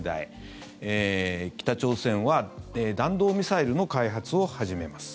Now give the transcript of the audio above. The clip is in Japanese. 北朝鮮は弾道ミサイルの開発を始めます。